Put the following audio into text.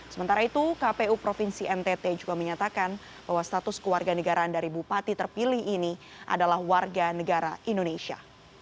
sementara itu kpu provinsi ntt juga menyatakan bahwa status keluarga negaraan dari bupati terpilih ini adalah warga negara indonesia